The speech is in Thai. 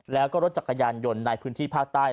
แล้วก็รถจักรยานยนต์ในพื้นที่ภาคใต้